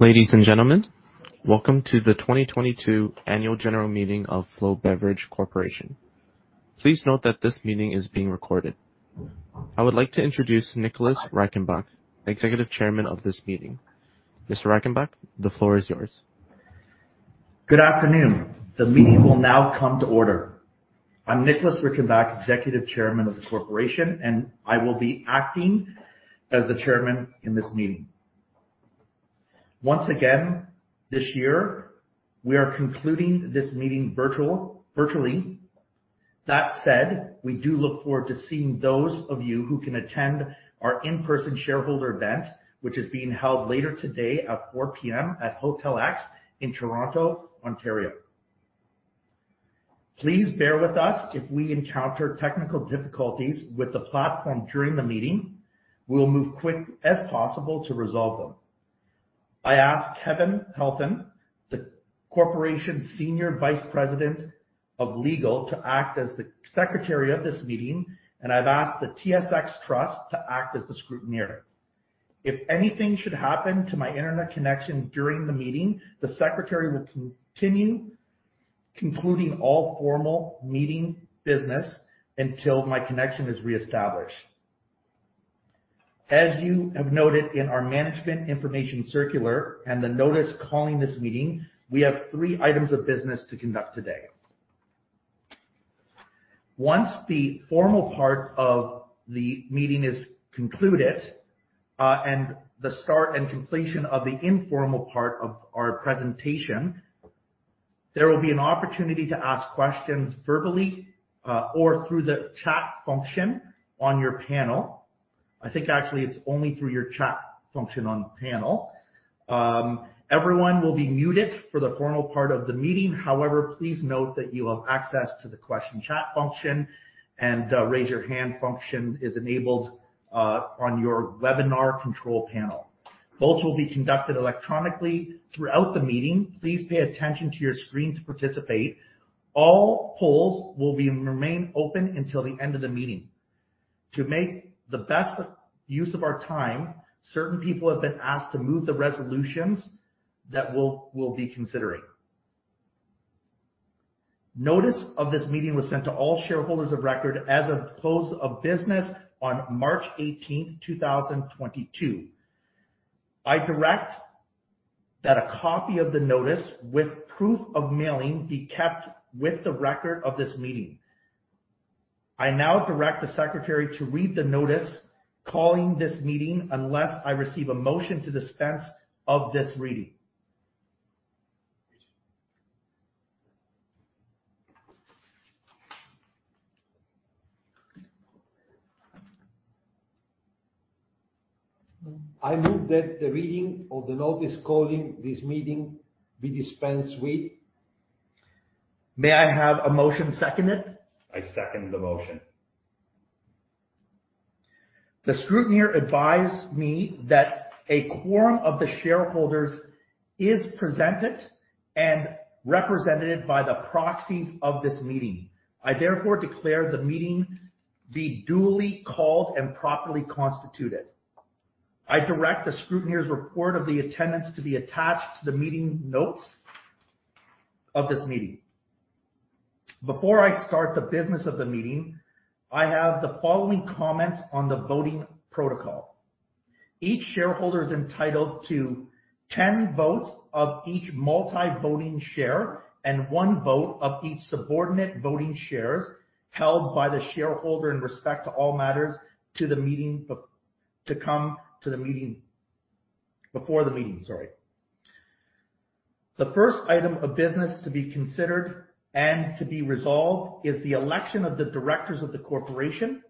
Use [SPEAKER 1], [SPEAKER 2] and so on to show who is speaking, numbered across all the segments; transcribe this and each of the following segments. [SPEAKER 1] Ladies and gentlemen, welcome to the 2022 annual general meeting of Flow Beverage Corp. Please note that this meeting is being recorded. I would like to introduce Nicholas Reichenbach, Executive Chairman of this meeting. Mr. Reichenbach, the floor is yours.
[SPEAKER 2] Good afternoon. The meeting will now come to order. I'm Nicholas Reichenbach, Executive Chairman of the Corporation, and I will be acting as the chairman in this meeting. Once again, this year, we are conducting this meeting virtually. That said, we do look forward to seeing those of you who can attend our in-person shareholder event, which is being held later today at 4:00 P.M. at Hotel X in Toronto, Ontario. Please bear with us if we encounter technical difficulties with the platform during the meeting. We will move quick as possible to resolve them. I ask Kevin Helfand, the Corporation's Senior Vice President of Legal, to act as the Secretary of this meeting, and I've asked the TSX Trust to act as the scrutineer. If anything should happen to my Internet connection during the meeting, the Secretary will continue concluding all formal meeting business until my connection is reestablished. As you have noted in our management information circular and the notice calling this meeting, we have three items of business to conduct today. Once the formal part of the meeting is concluded, and the start and completion of the informal part of our presentation, there will be an opportunity to ask questions verbally, or through the chat function on your panel. I think actually it's only through your chat function on panel. Everyone will be muted for the formal part of the meeting. However, please note that you have access to the question chat function and, raise your hand function is enabled, on your webinar control panel. Votes will be conducted electronically throughout the meeting. Please pay attention to your screen to participate. All polls will remain open until the end of the meeting. To make the best use of our time, certain people have been asked to move the resolutions that we'll be considering. Notice of this meeting was sent to all shareholders of record as of close of business on March eighteenth, two thousand twenty-two. I direct that a copy of the notice with proof of mailing be kept with the record of this meeting. I now direct the Secretary to read the notice calling this meeting, unless I receive a motion to dispense with this reading. I move that the reading of the notice calling this meeting be dispensed with. May I have a motion seconded?
[SPEAKER 3] I second the motion.
[SPEAKER 2] The scrutineer advised me that a quorum of the shareholders is present and represented by the proxies of this meeting. I therefore declare the meeting be duly called and properly constituted. I direct the scrutineer's report of the attendance to be attached to the meeting notes of this meeting. Before I start the business of the meeting, I have the following comments on the voting protocol. Each shareholder is entitled to 10 votes of each multi-voting share and one vote of each subordinate voting shares held by the shareholder in respect to all matters to come before the meeting. Sorry. The first item of business to be considered and to be resolved is the election of the directors of the Corporation.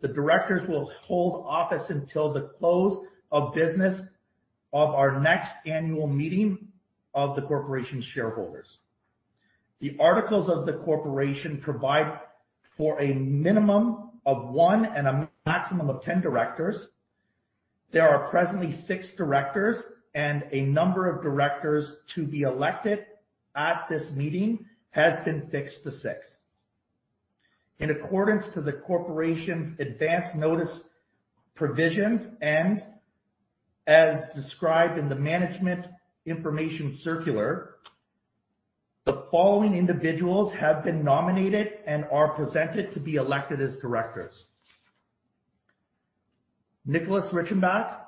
[SPEAKER 2] The directors will hold office until the close of business of our next annual meeting of the Corporation's shareholders. The articles of the Corporation provide for a minimum of one and a maximum of ten directors. There are presently six directors, and a number of directors to be elected at this meeting has been fixed to six. In accordance to the Corporation's advance notice provisions and as described in the management information circular, the following individuals have been nominated and are presented to be elected as directors. Nicholas Reichenbach,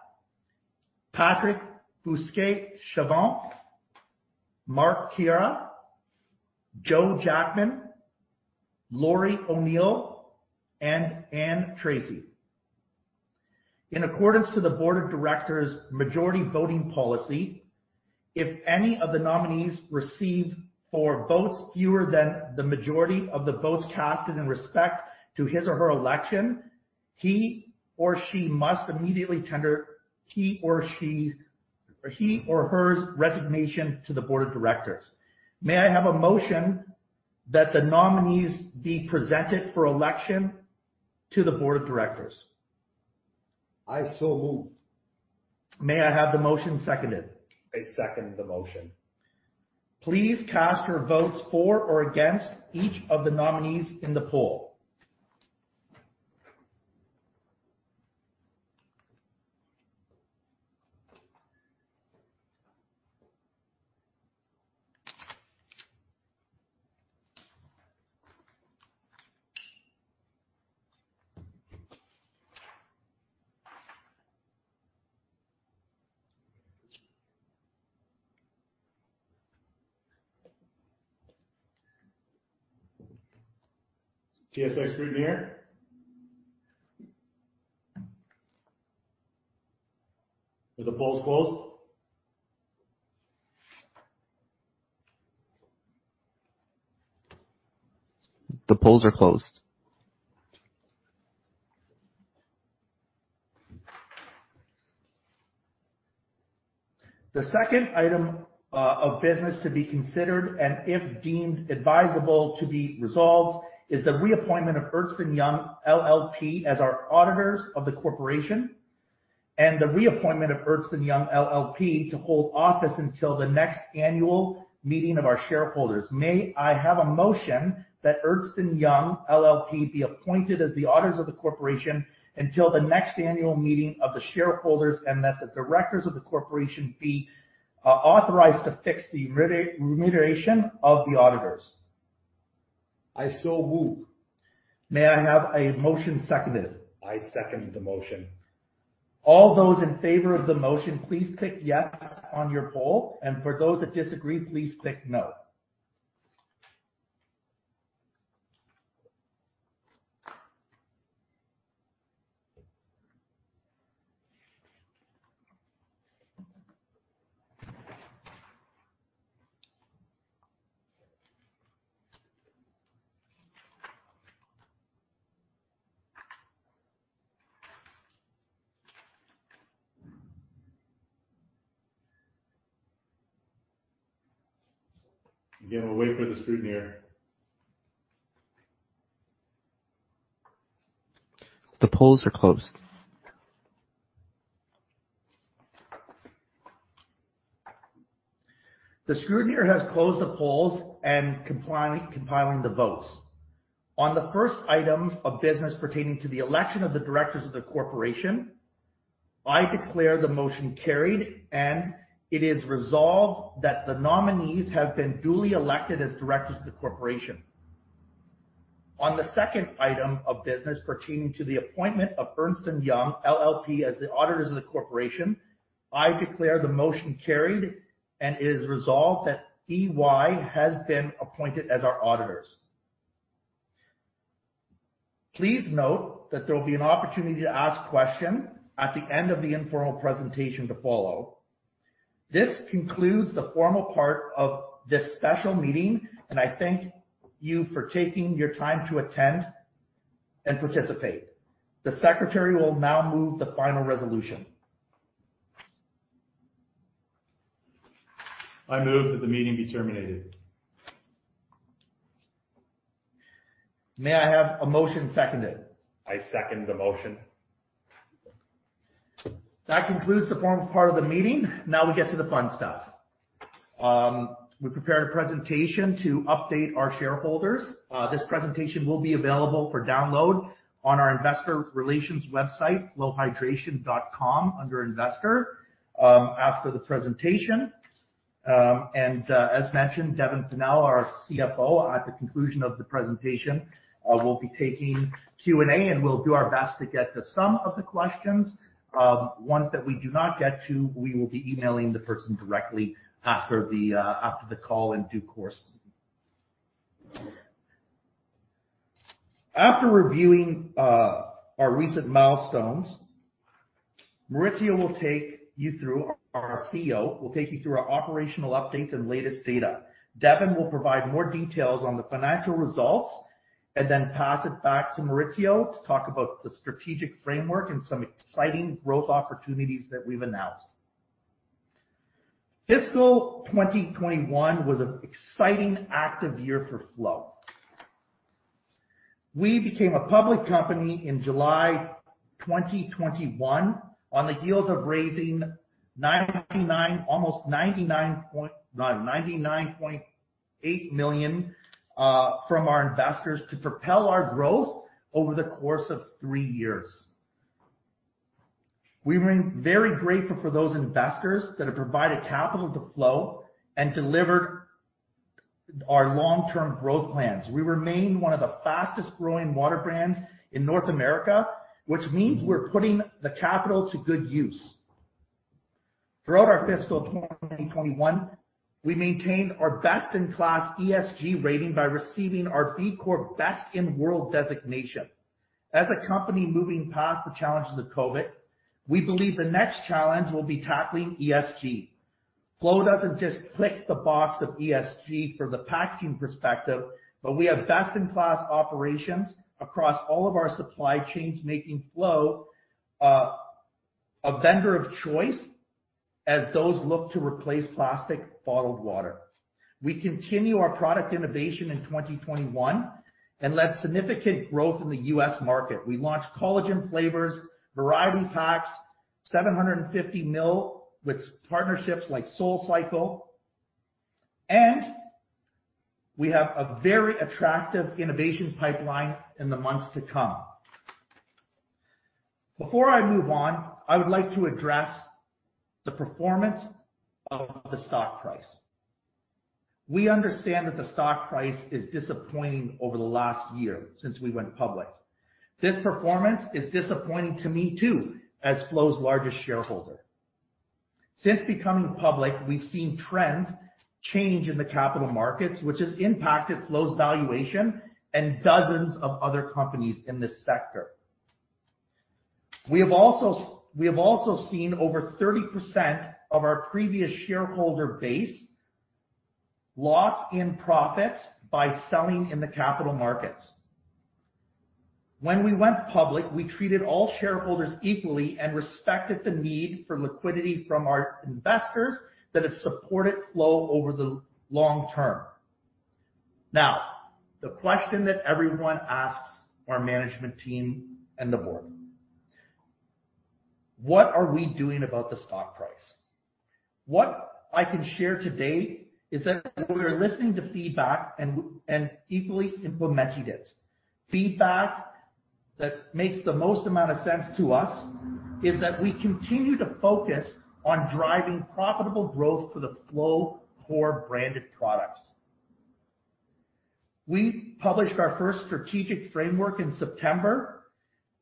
[SPEAKER 2] Patrick Bousquet-Chavanne, Mark Kiira, Joe Jackman, Lori O'Neill, and Ann Tracy. In accordance to the Board of Directors' majority voting policy, if any of the nominees receive four votes fewer than the majority of the votes cast in respect to his or her election, he or she must immediately tender his or her resignation to the board of directors. May I have a motion that the nominees be presented for election to the board of directors? I move. May I have the motion seconded?
[SPEAKER 3] I second the motion.
[SPEAKER 2] Please cast your votes for or against each of the nominees in the poll.
[SPEAKER 3] TSX scrutineer. Are the polls closed? The polls are closed.
[SPEAKER 2] The second item of business to be considered, and if deemed advisable to be resolved, is the reappointment of EY LLP as our auditors of the corporation, and the reappointment of EY LLP to hold office until the next annual meeting of our shareholders. May I have a motion that EY LLP be appointed as the auditors of the corporation until the next annual meeting of the shareholders, and that the directors of the corporation be authorized to fix the remuneration of the auditors.
[SPEAKER 3] I so move.
[SPEAKER 2] May I have a motion seconded?
[SPEAKER 3] I second the motion.
[SPEAKER 2] All those in favor of the motion, please click yes on your poll. For those that disagree, please click no.
[SPEAKER 3] Again, we'll wait for the scrutineer. The polls are closed.
[SPEAKER 2] The scrutineer has closed the polls and compiling the votes. On the first item of business pertaining to the election of the directors of the corporation, I declare the motion carried, and it is resolved that the nominees have been duly elected as directors of the corporation. On the second item of business pertaining to the appointment of EY LLP as the auditors of the corporation, I declare the motion carried, and it is resolved that EY has been appointed as our auditors. Please note that there will be an opportunity to ask questions at the end of the informal presentation to follow. This concludes the formal part of this special meeting, and I thank you for taking your time to attend and participate. The secretary will now move the final resolution.
[SPEAKER 3] I move that the meeting be terminated.
[SPEAKER 2] May I have a motion seconded?
[SPEAKER 3] I second the motion.
[SPEAKER 2] That concludes the formal part of the meeting. Now we get to the fun stuff. We prepared a presentation to update our shareholders. This presentation will be available for download on our investor relations website, flowhydration.com, under investor after the presentation. As mentioned, Devan Pennell, our CFO, at the conclusion of the presentation, will be taking Q&A, and we'll do our best to get to some of the questions. Ones that we do not get to, we will be emailing the person directly after the call in due course. After reviewing our recent milestones, Our CEO will take you through our operational updates and latest data. Devan will provide more details on the financial results and then pass it back to Maurizio to talk about the strategic framework and some exciting growth opportunities that we've announced. Fiscal 2021 was an exciting active year for Flow. We became a public company in July 2021 on the heels of raising 99.8 million from our investors to propel our growth over the course of three years. We were very grateful for those investors that have provided capital to Flow and delivered our long-term growth plans. We remain one of the fastest growing water brands in North America, which means we're putting the capital to good use. Throughout our fiscal 2021, we maintained our best-in-class ESG rating by receiving our B Corp Best for the World designation. As a company moving past the challenges of COVID, we believe the next challenge will be tackling ESG. Flow doesn't just click the box of ESG from the packaging perspective, but we have best-in-class operations across all of our supply chains, making Flow a vendor of choice as those look to replace plastic bottled water. We continue our product innovation in 2021 and led significant growth in the US market. We launched collagen flavors, variety packs, 750 ml with partnerships like SoulCycle, and we have a very attractive innovation pipeline in the months to come. Before I move on, I would like to address the performance of the stock price. We understand that the stock price is disappointing over the last year since we went public. This performance is disappointing to me too as Flow's largest shareholder. Since becoming public, we've seen trends change in the capital markets, which has impacted Flow's valuation and dozens of other companies in this sector. We have also seen over 30% of our previous shareholder base lock in profits by selling in the capital markets. When we went public, we treated all shareholders equally and respected the need for liquidity from our investors that have supported Flow over the long term. Now, the question that everyone asks our management team and the board, what are we doing about the stock price? What I can share today is that we are listening to feedback and equally implementing it. Feedback that makes the most amount of sense to us is that we continue to focus on driving profitable growth for the Flow core branded products. We published our first strategic framework in September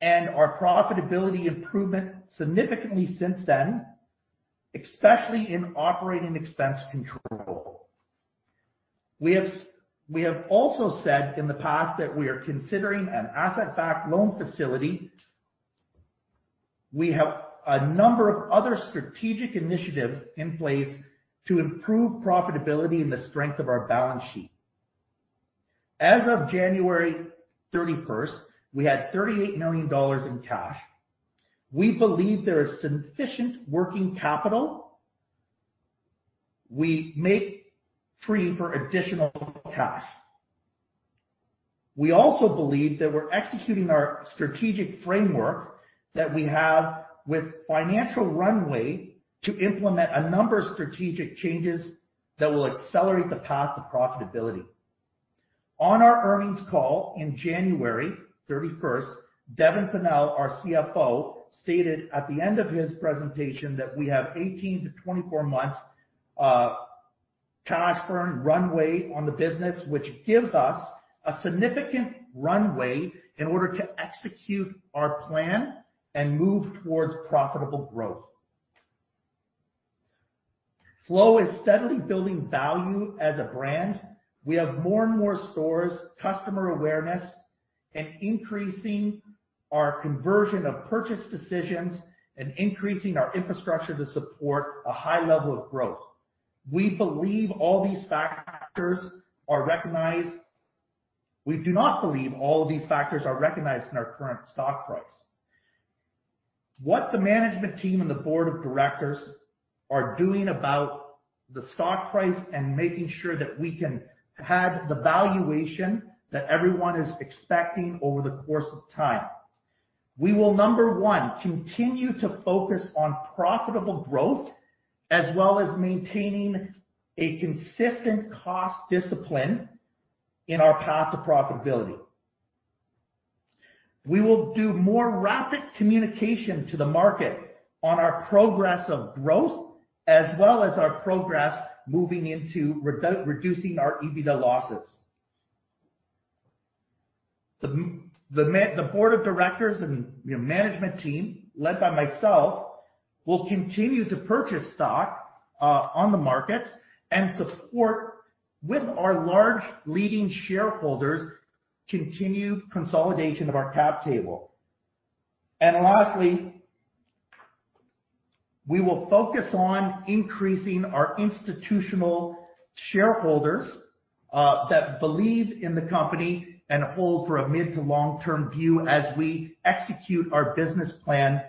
[SPEAKER 2] and our profitability has improved significantly since then, especially in operating expense control. We have also said in the past that we are considering an asset-backed loan facility. We have a number of other strategic initiatives in place to improve profitability and the strength of our balance sheet. As of January 31, we had 38 million dollars in cash. We believe there is sufficient working capital and we do not need additional cash. We also believe that we're executing our strategic framework and we have financial runway to implement a number of strategic changes that will accelerate the path to profitability. On our earnings call in January thirty-first, Devan Pennell, our CFO, stated at the end of his presentation that we have 18-24 months cash burn runway on the business, which gives us a significant runway in order to execute our plan and move towards profitable growth. Flow is steadily building value as a brand. We have more and more stores, customer awareness, and increasing our conversion of purchase decisions and increasing our infrastructure to support a high level of growth. We believe all these factors are recognized. We do not believe all of these factors are recognized in our current stock price. What the management team and the board of directors are doing about the stock price and making sure that we can have the valuation that everyone is expecting over the course of time. We will, number one, continue to focus on profitable growth as well as maintaining a consistent cost discipline in our path to profitability. We will do more rapid communication to the market on our progress of growth as well as our progress moving into reducing our EBITDA losses. The board of directors and, you know, management team led by myself, will continue to purchase stock on the market and support with our large leading shareholders continue consolidation of our cap table. Lastly, we will focus on increasing our institutional shareholders that believe in the company and hold for a mid to long-term view as we execute our business plan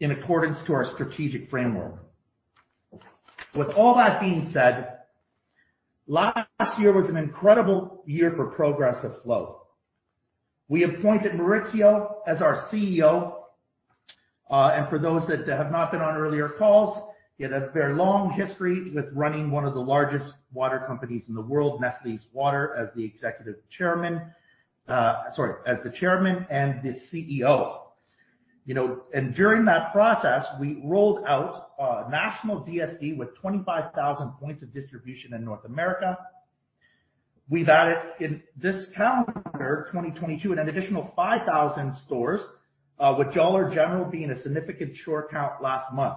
[SPEAKER 2] in accordance to our strategic framework. With all that being said, last year was an incredible year for progress at Flow. We appointed Maurizio as our CEO, and for those that have not been on earlier calls, he had a very long history with running one of the largest water companies in the world, Nestlé Waters, as the chairman and the CEO. You know, during that process, we rolled out a national DSD with 25,000 points of distribution in North America. We've added in this calendar, 2022, an additional 5,000 stores, with Dollar General being a significant store count last month.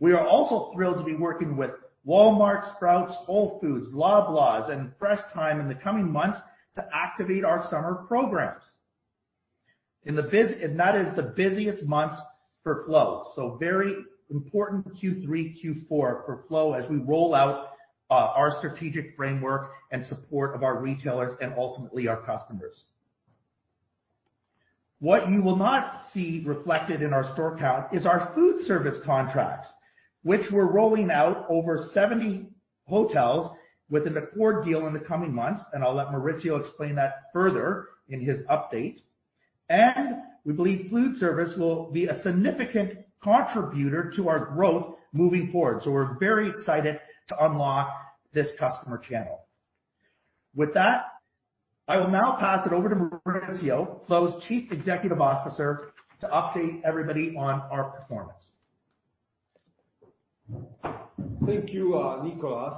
[SPEAKER 2] We are also thrilled to be working with Walmart, Sprouts, Whole Foods, Loblaws, and Fresh Thyme in the coming months to activate our summer programs. That is the busiest months for Flow. Very important Q3, Q4 for Flow as we roll out our strategic framework in support of our retailers and ultimately our customers. What you will not see reflected in our store count is our food service contracts, which we're rolling out over 70 hotels with an Accor deal in the coming months. I'll let Maurizio explain that further in his update. We believe food service will be a significant contributor to our growth moving forward. We're very excited to unlock this customer channel. With that, I will now pass it over to Maurizio, Flow's Chief Executive Officer, to update everybody on our performance.
[SPEAKER 4] Thank you, Nicholas.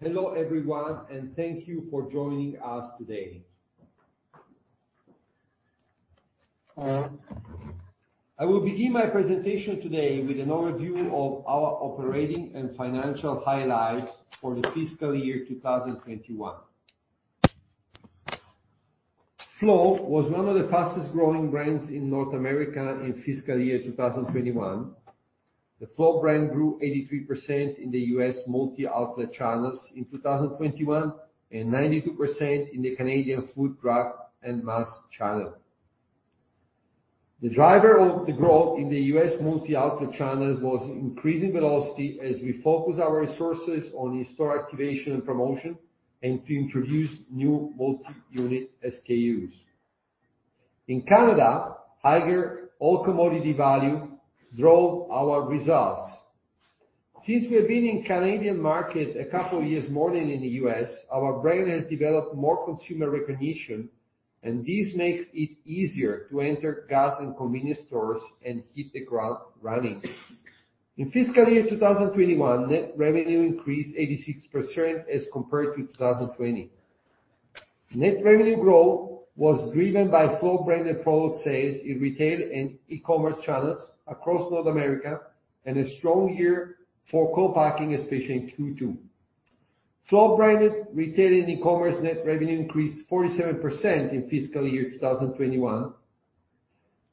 [SPEAKER 4] Hello, everyone, and thank you for joining us today. I will begin my presentation today with an overview of our operating and financial highlights for the fiscal year 2021. Flow was one of the fastest-growing brands in North America in fiscal year 2021. The Flow brand grew 83% in the U.S. multi-outlet channels in 2021, and 92% in the Canadian food, drug, and mass channel. The driver of the growth in the U.S. multi-outlet channel was increasing velocity as we focus our resources on in-store activation and promotion and to introduce new multi-unit SKUs. In Canada, higher all commodity volume drove our results. Since we have been in Canadian market a couple of years more than in the U.S., our brand has developed more consumer recognition, and this makes it easier to enter gas and convenience stores and hit the ground running. In fiscal year 2021, net revenue increased 86% as compared to 2020. Net revenue growth was driven by Flow branded product sales in retail and e-commerce channels across North America, and a strong year for co-packing, especially in Q2. Flow branded retail and e-commerce net revenue increased 47% in fiscal year 2021.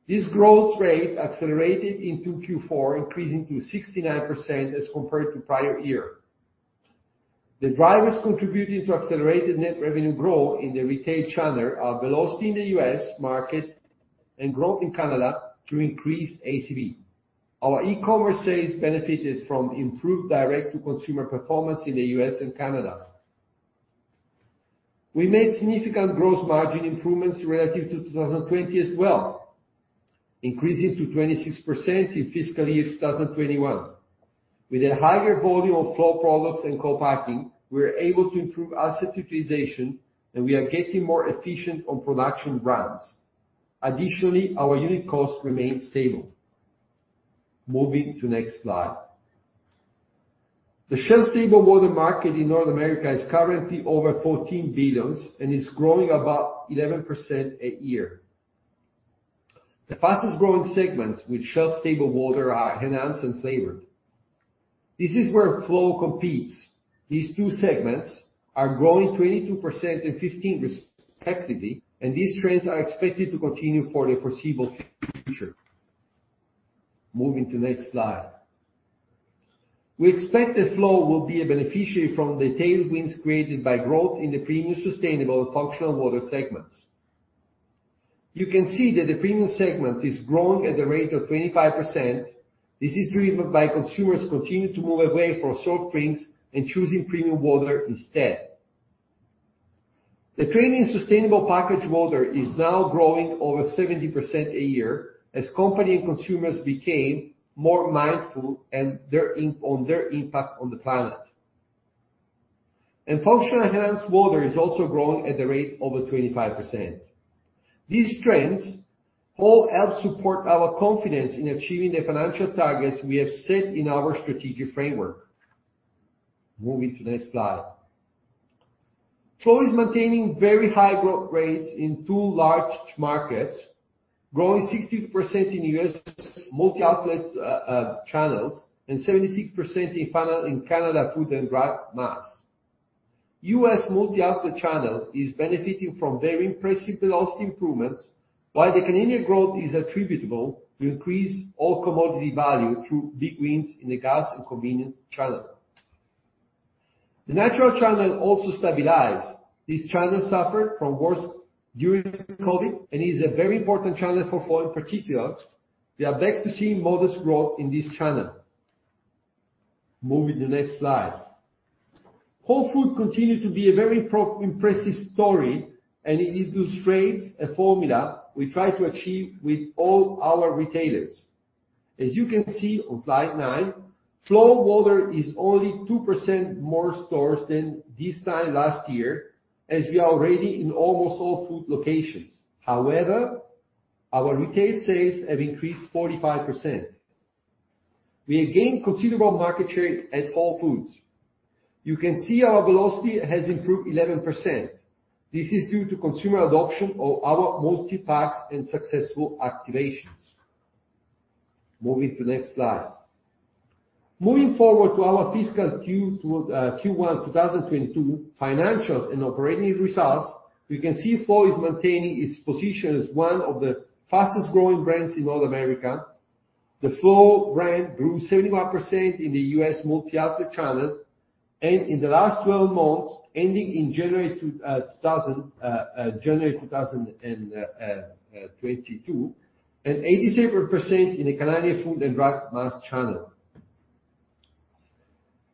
[SPEAKER 4] This growth rate accelerated into Q4, increasing to 69% as compared to prior year. The drivers contributing to accelerated net revenue growth in the retail channel are velocity in the U.S. market and growth in Canada to increase ACV. Our e-commerce sales benefited from improved direct-to-consumer performance in the U.S. and Canada. We made significant gross margin improvements relative to 2020 as well, increasing to 26% in fiscal year 2021. With a higher volume of Flow products and co-packing, we were able to improve asset utilization, and we are getting more efficient on production runs. Additionally, our unit cost remained stable. Moving to next slide. The shelf-stable water market in North America is currently over $14 billion and is growing about 11% a year. The fastest-growing segments with shelf-stable water are enhanced and flavored. This is where Flow competes. These two segments are growing 22% and 15% respectively, and these trends are expected to continue for the foreseeable future. Moving to next slide. We expect that Flow will be a beneficiary from the tailwinds created by growth in the premium sustainable functional water segments. You can see that the premium segment is growing at a rate of 25%. This is driven by consumers continuing to move away from soft drinks and choosing premium water instead. The premium sustainable packaged water is now growing over 70% a year as company and consumers became more mindful and their impact on the planet. Functional enhanced water is also growing at a rate over 25%. These trends all help support our confidence in achieving the financial targets we have set in our strategic framework. Moving to next slide. Flow is maintaining very high growth rates in two large markets, growing 60% in U.S. multi-outlet channels and 76% in Canada food and drug mass. US multi-outlet channel is benefiting from very impressive velocity improvements, while the Canadian growth is attributable to increased all commodity value through big wins in the gas and convenience channel. The natural channel also stabilized. This channel suffered from worse during COVID, and is a very important channel for Flow in particular. We are back to seeing modest growth in this channel. Moving to the next slide. Whole Foods continue to be a very impressive story, and it illustrates a formula we try to achieve with all our retailers. As you can see on slide nine, Flow water is only 2% more stores than this time last year, as we are already in almost all food locations. However, our retail sales have increased 45%. We have gained considerable market share at Whole Foods. You can see our velocity has improved 11%. This is due to consumer adoption of our multi-packs and successful activations. Moving to next slide. Moving forward to our fiscal Q1 2022 financials and operating results, we can see Flow is maintaining its position as one of the fastest-growing brands in North America. The Flow brand grew 71% in the US multi-outlet channels, and in the last 12 months, ending in January 2022, and 87% in the Canadian food and drug mass channel.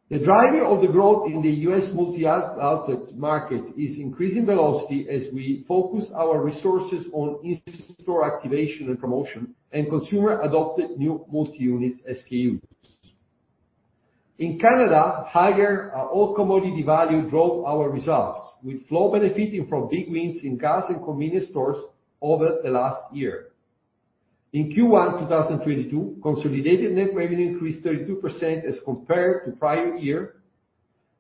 [SPEAKER 4] The driver of the growth in the US multi-outlet market is increasing velocity as we focus our resources on in-store activation and promotion and consumers adopted new multi-unit SKUs. In Canada, higher all commodity value drove our results, with Flow benefiting from big wins in gas and convenience stores over the last year. In Q1 2022, consolidated net revenue increased 32% as compared to prior year.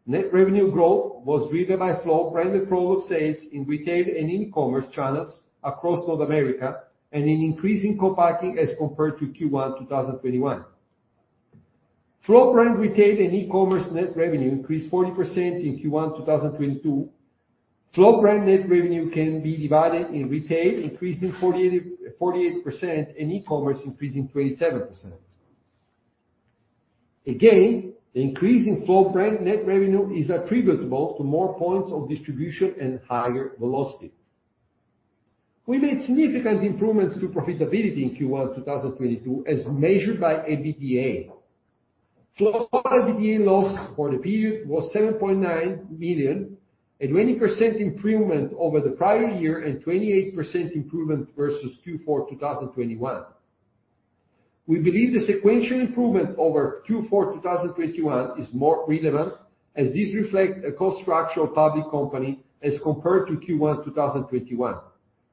[SPEAKER 4] Net revenue growth was driven by Flow brand and total sales in retail and e-commerce channels across North America and an increase in co-packing as compared to Q1 2021. Flow brand retail and e-commerce net revenue increased 40% in Q1 2022. Flow brand net revenue can be divided in retail, increasing 48%, and e-commerce increasing 27%. Again, the increase in Flow brand net revenue is attributable to more points of distribution and higher velocity. We made significant improvements to profitability in Q1 2022 as measured by EBITDA. Flow EBITDA loss for the period was 7.9 million, a 20% improvement over the prior year and 28% improvement versus Q4 2021. We believe the sequential improvement over Q4 2021 is more relevant as this reflects a cost structure of public company as compared to Q1 2021,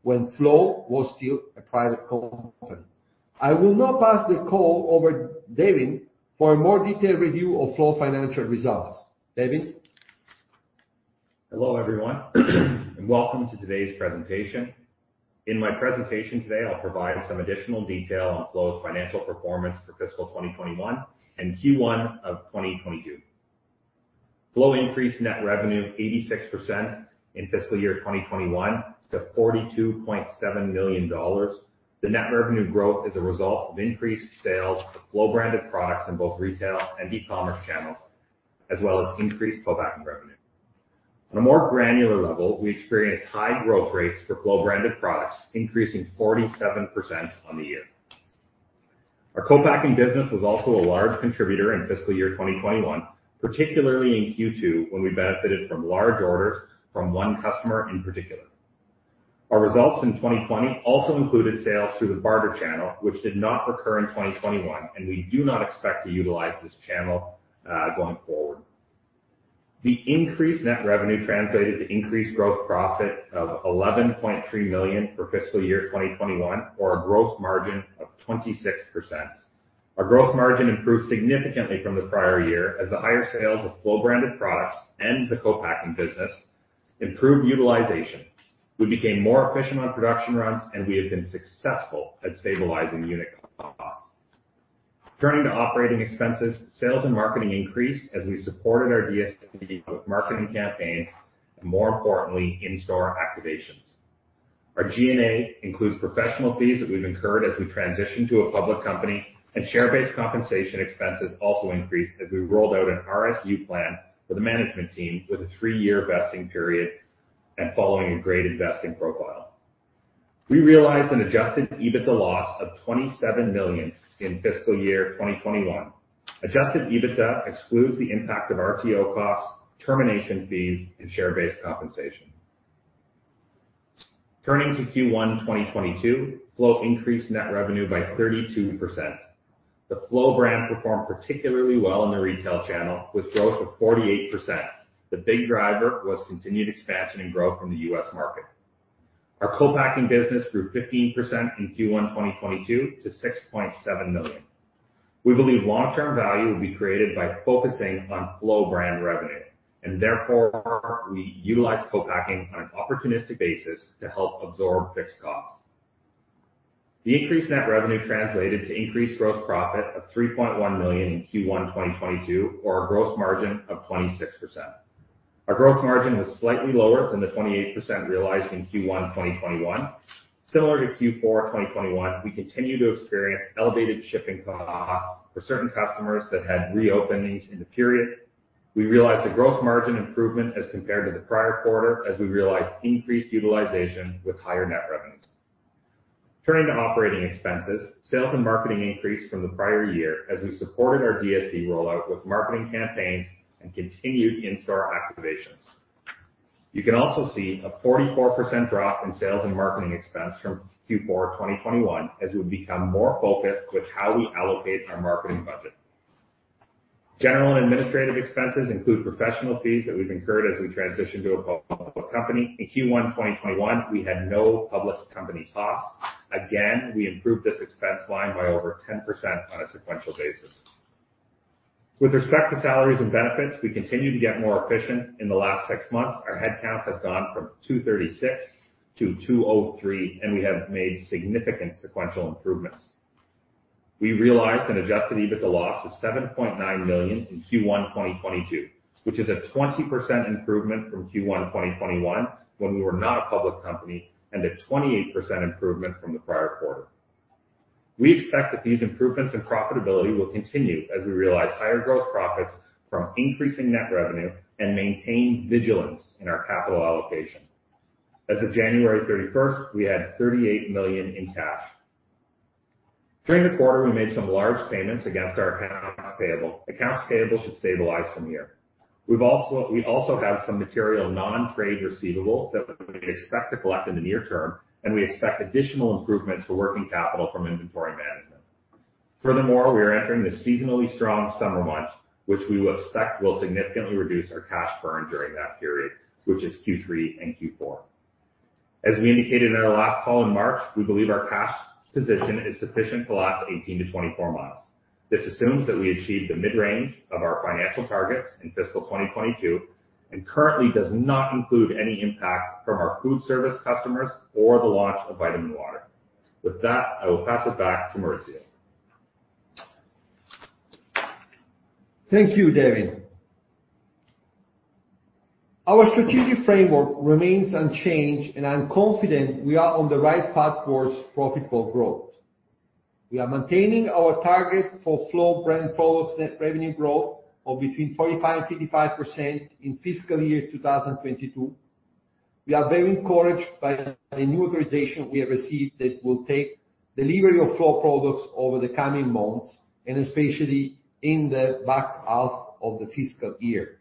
[SPEAKER 4] when Flow was still a private company. I will now pass the call over to Devan for a more detailed review of Flow financial results. Devan?
[SPEAKER 5] Hello, everyone, and welcome to today's presentation. In my presentation today, I'll provide some additional detail on Flow's financial performance for fiscal 2021 and Q1 of 2022. Flow increased net revenue 86% in fiscal year 2021 to 42.7 million dollars. The net revenue growth is a result of increased sales of Flow branded products in both retail and e-commerce channels, as well as increased co-packing revenue. On a more granular level, we experienced high growth rates for Flow branded products, increasing 47% on the year. Our co-packing business was also a large contributor in fiscal year 2021, particularly in Q2, when we benefited from large orders from one customer in particular. Our results in 2020 also included sales through the barter channel, which did not recur in 2021, and we do not expect to utilize this channel going forward. The increased net revenue translated to increased gross profit of 11.3 million for fiscal year 2021 or a gross margin of 26%. Our gross margin improved significantly from the prior year as the higher sales of Flow branded products and the co-packing business improved utilization. We became more efficient on production runs, and we have been successful at stabilizing unit costs. Turning to operating expenses, sales and marketing increased as we supported our DSD with marketing campaigns and more importantly, in-store activations. Our G&A includes professional fees that we've incurred as we transition to a public company, and share-based compensation expenses also increased as we rolled out an RSU plan for the management team with a three-year vesting period and following a graded vesting profile. We realized an Adjusted EBITDA loss of 27 million in fiscal year 2021. Adjusted EBITDA excludes the impact of RTO costs, termination fees, and share-based compensation. Turning to Q1 2022, Flow increased net revenue by 32%. The Flow brand performed particularly well in the retail channel with growth of 48%. The big driver was continued expansion and growth in the US market. Our co-packing business grew 15% in Q1 2022 to 6.7 million. We believe long-term value will be created by focusing on Flow brand revenue, and therefore, we utilize co-packing on an opportunistic basis to help absorb fixed costs. The increased net revenue translated to increased gross profit of 3.1 million in Q1 2022 or a gross margin of 26%. Our gross margin was slightly lower than the 28% realized in Q1 2021. Similar to Q4 2021, we continue to experience elevated shipping costs for certain customers that had reopenings in the period. We realized a gross margin improvement as compared to the prior quarter as we realized increased utilization with higher net revenues. Turning to operating expenses, sales and marketing increased from the prior year as we supported our DSD rollout with marketing campaigns and continued in-store activations. You can also see a 44% drop in sales and marketing expense from Q4 2021 as we've become more focused with how we allocate our marketing budget. General and administrative expenses include professional fees that we've incurred as we transition to a public company. In Q1 2021, we had no public company costs. Again, we improved this expense line by over 10% on a sequential basis. With respect to salaries and benefits, we continue to get more efficient. In the last six months, our headcount has gone from 236 to 203, and we have made significant sequential improvements. We realized an Adjusted EBITDA loss of 7.9 million in Q1 2022, which is a 20% improvement from Q1 2021 when we were not a public company and a 28% improvement from the prior quarter. We expect that these improvements in profitability will continue as we realize higher growth profits from increasing net revenue and maintain vigilance in our capital allocation. As of January 31st, we had 38 million in cash. During the quarter, we made some large payments against our accounts payable. Accounts payable should stabilize from here. We also have some material non-trade receivables that we expect to collect in the near term, and we expect additional improvements to working capital from inventory management. Furthermore, we are entering the seasonally strong summer months, which we will expect will significantly reduce our cash burn during that period, which is Q3 and Q4. As we indicated in our last call in March, we believe our cash position is sufficient to last 18-24 months. This assumes that we achieve the mid-range of our financial targets in fiscal 2022, and currently does not include any impact from our food service customers or the launch of Vitamin Infused Water. With that, I will pass it back to Maurizio.
[SPEAKER 4] Thank you, Devan. Our strategic framework remains unchanged, and I'm confident we are on the right path towards profitable growth. We are maintaining our target for Flow brand products net revenue growth of between 45% and 55% in fiscal year 2022. We are very encouraged by the new authorization we have received that will take delivery of Flow products over the coming months and especially in the back half of the fiscal year.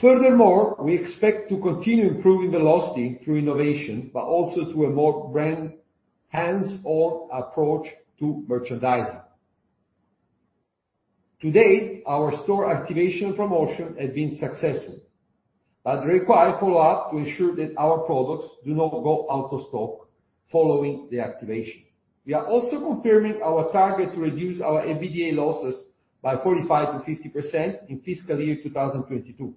[SPEAKER 4] Furthermore, we expect to continue improving velocity through innovation, but also through a more brand hands-on approach to merchandising. To date, our store activation promotion has been successful, but require follow-up to ensure that our products do not go out of stock following the activation. We are also confirming our target to reduce our EBITDA losses by 45%-50% in fiscal year 2022.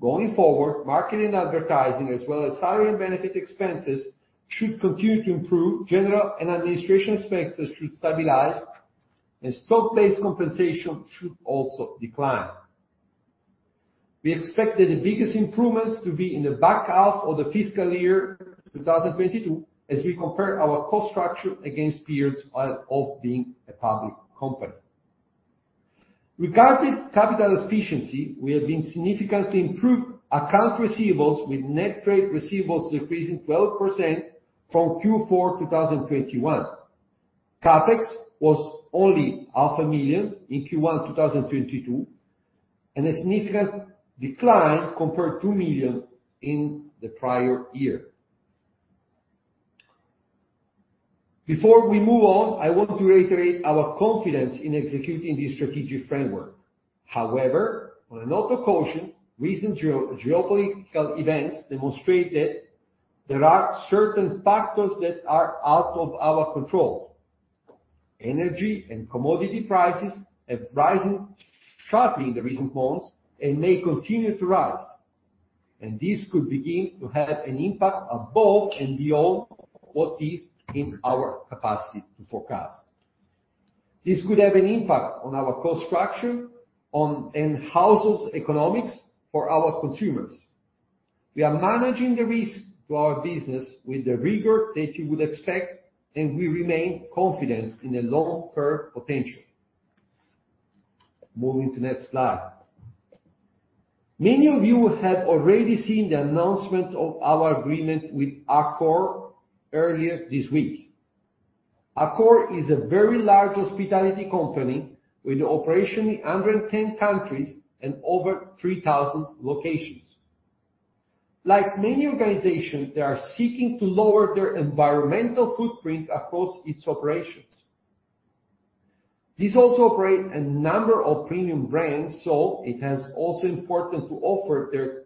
[SPEAKER 4] Going forward, marketing and advertising as well as salary and benefit expenses should continue to improve. General and administrative expenses should stabilize, and stock-based compensation should also decline. We expect that the biggest improvements to be in the back half of the fiscal year 2022 as we compare our cost structure against periods of being a public company. Regarding capital efficiency, we have significantly improved accounts receivable with net trade receivables decreasing 12% from Q4 2021. CapEx was only CAD half a million in Q1 2022, and a significant decline compared to 2 million in the prior year. Before we move on, I want to reiterate our confidence in executing this strategic framework. However, on a note of caution, recent geopolitical events demonstrate that there are certain factors that are out of our control. Energy and commodity prices have risen sharply in the recent months and may continue to rise, and this could begin to have an impact above and beyond what is in our capacity to forecast. This could have an impact on our cost structure on and household economics for our consumers. We are managing the risk to our business with the rigor that you would expect, and we remain confident in the long-term potential. Moving to next slide. Many of you have already seen the announcement of our agreement with Accor earlier this week. Accor is a very large hospitality company with operations in 110 countries and over 3,000 locations. Like many organizations, they are seeking to lower their environmental footprint across its operations. These also operate a number of premium brands, so it's also important to offer their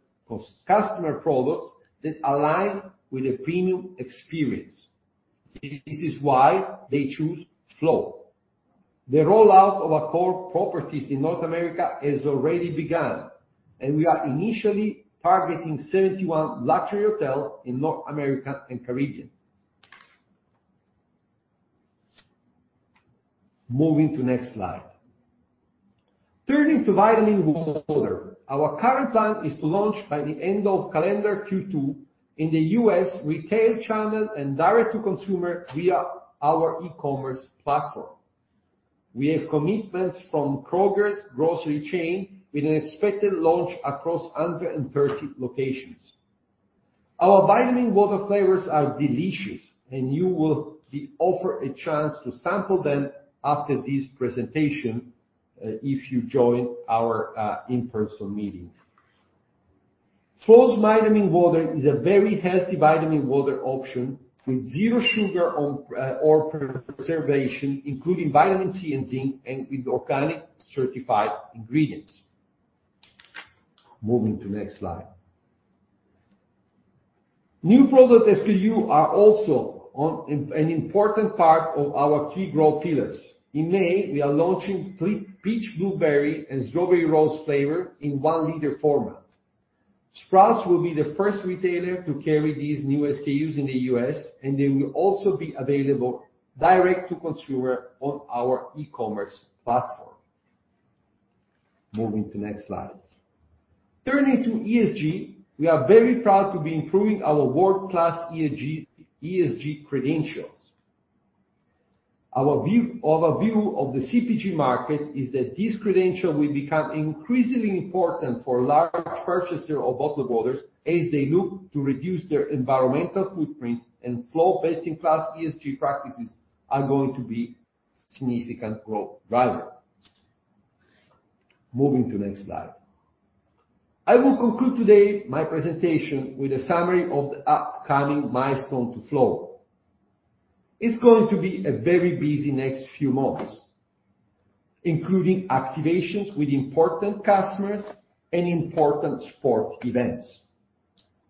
[SPEAKER 4] customer products that align with a premium experience. This is why they choose Flow. The rollout of Accor properties in North America has already begun, and we are initially targeting 71 luxury hotels in North America and Caribbean. Moving to next slide. Turning to Vitamin Infused Water. Our current plan is to launch by the end of calendar Q2 in the U.S. retail channel and direct to consumer via our e-commerce platform. We have commitments from Kroger's grocery chain with an expected launch across 130 locations. Our Vitamin Infused Water flavors are delicious, and you will be offered a chance to sample them after this presentation, if you join our in-person meeting. Flow's Vitamin Infused Water is a very healthy vitamin-infused water option with zero sugar, no preservatives, including vitamin C and zinc, and with organic, certified ingredients. Moving to next slide. New product SKUs are also an important part of our key growth pillars. In May, we are launching peach blueberry and strawberry rose flavors in one-liter format. Sprouts will be the first retailer to carry these new SKUs in the U.S., and they will also be available direct-to-consumer on our e-commerce platform. Moving to next slide. Turning to ESG. We are very proud to be improving our world-class ESG credentials. Our view of the CPG market is that this credential will become increasingly important for large purchasers of bottled waters as they look to reduce their environmental footprint, and Flow's best-in-class ESG practices are going to be a significant growth driver. Moving to next slide. I will conclude today my presentation with a summary of the upcoming milestone to Flow. It's going to be a very busy next few months, including activations with important customers and important sport events.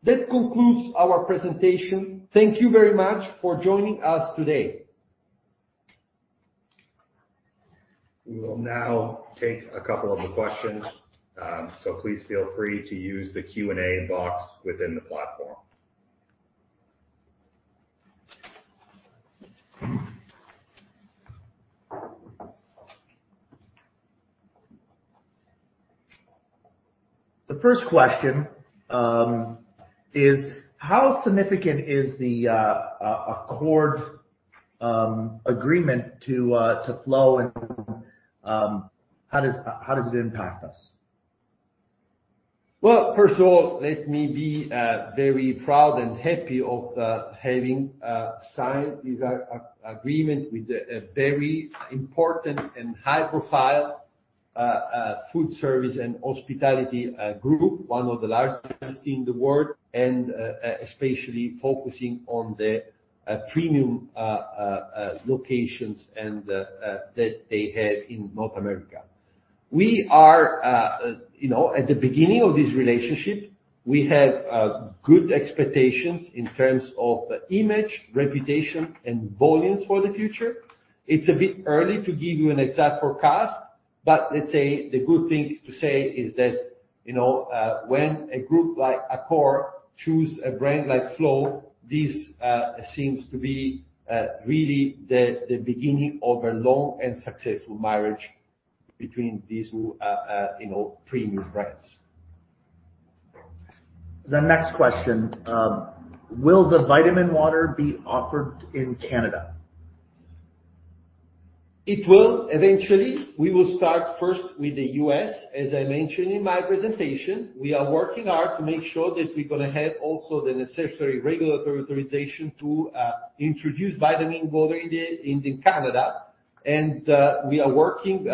[SPEAKER 4] That concludes our presentation. Thank you very much for joining us today.
[SPEAKER 2] We will now take a couple of the questions, so please feel free to use the Q&A box within the platform. The first question is how significant is the Accor agreement to Flow and how does it impact us?
[SPEAKER 4] Well, first of all, let me be very proud and happy of having signed this agreement with a very important and high-profile food service and hospitality group, one of the largest in the world, and especially focusing on the premium locations and that they have in North America. We are, you know, at the beginning of this relationship. We have good expectations in terms of image, reputation and volumes for the future. It's a bit early to give you an exact forecast, but let's say the good thing to say is that, you know, when a group like Accor choose a brand like Flow, this seems to be really the beginning of a long and successful marriage between these, you know, premium brands.
[SPEAKER 2] The next question, will the vitamin water be offered in Canada?
[SPEAKER 4] It will eventually. We will start first with the U.S. As I mentioned in my presentation, we are working hard to make sure that we're gonna have also the necessary regulatory authorization to introduce Vitamin Water in Canada. We are working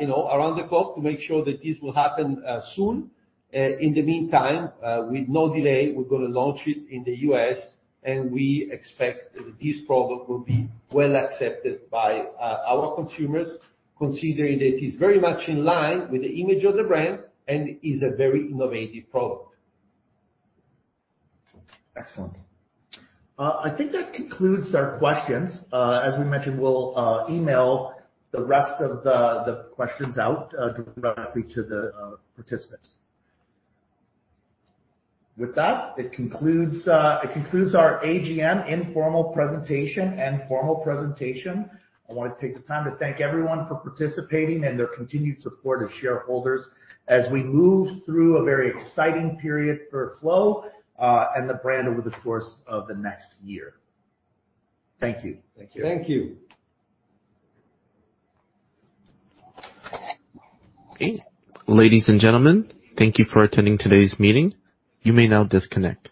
[SPEAKER 4] you know around the clock to make sure that this will happen soon. In the meantime with no delay, we're gonna launch it in the U.S., and we expect that this product will be well accepted by our consumers, considering that it's very much in line with the image of the brand and is a very innovative product.
[SPEAKER 2] Excellent. I think that concludes our questions. As we mentioned, we'll email the rest of the questions out directly to the participants. With that, it concludes our AGM informal presentation and formal presentation. I wanna take the time to thank everyone for participating and their continued support of shareholders as we move through a very exciting period for Flow and the brand over the course of the next year. Thank you.
[SPEAKER 4] Thank you.
[SPEAKER 2] Thank you. Okay.
[SPEAKER 1] Ladies and gentlemen, thank you for attending today's meeting. You may now disconnect.